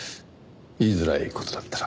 言いづらい事だったら。